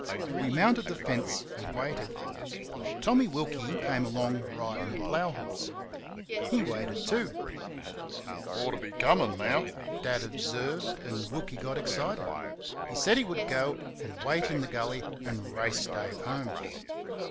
We mounted the fence and waited. Tommy Wilkie came along riding a plough horse. He waited too. "Ought to be coming now," Dad observed, and Wilkie got excited. He said he would go and wait in the gully and race Dave home.